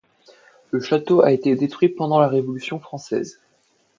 Le château a été détruit pendant la révolution française.